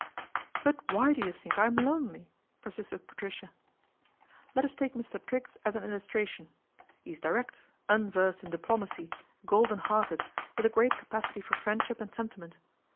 " But why do you think I am lonely ?" persisted Patricia. " Let us take Mr. Triggs as an illustration. He is direct, unversed in diplomacy, golden hearted, with a great capacity for friendship and sentiment.